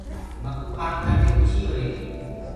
مڪوُ ڪآم ڪردي کُشي هوريري هي۔